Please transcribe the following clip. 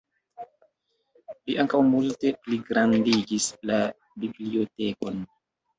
Li ankaŭ multe pligrandigis la bibliotekon.